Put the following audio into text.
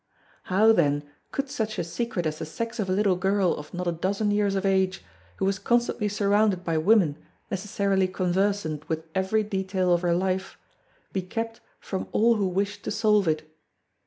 How then could such a secret as the sex of a little girl of not a dozen years of age, who was constantly surrounded by women necessarily conversant with every detail of her life, be kept from all who wished to solve it.